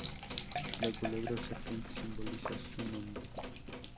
La culebra o serpiente simboliza su nombre.